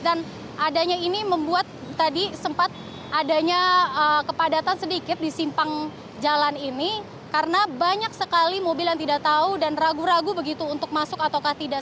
dan adanya ini membuat tadi sempat adanya kepadatan sedikit di simpang jalan ini karena banyak sekali mobil yang tidak tahu dan ragu ragu begitu untuk masuk atau tidak